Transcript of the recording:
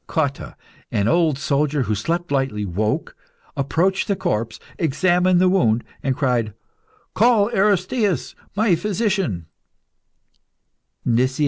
Cotta, an old soldier, who slept lightly, woke, approached the corpse, examined the wound, and cried "Call Aristaeus, my physician!"